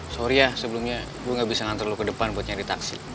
sorry ya sebelumnya gue gak bisa ngantar lu ke depan buat nyari taksi